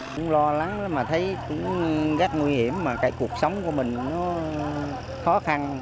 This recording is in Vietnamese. cũng lo lắng lắm mà thấy cũng rất nguy hiểm mà cái cuộc sống của mình nó khó khăn